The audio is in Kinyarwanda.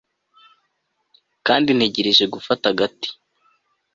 kandi ntegereje gufata agati